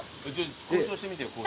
交渉してみてよ。